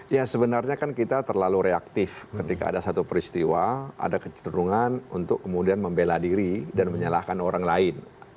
ya sebenarnya kan kita terlalu reaktif ketika ada satu peristiwa ada kecenderungan untuk kemudian membela diri dan menyalahkan orang lain